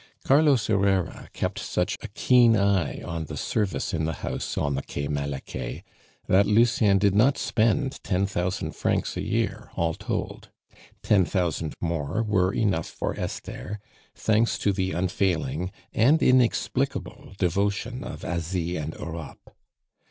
Carlos Herrera kept such a keen eye on the service in the house on the Quai Malaquais, that Lucien did not spend ten thousand francs a year, all told. Ten thousand more were enough for Esther, thanks to the unfailing and inexplicable devotion of Asie and Europe.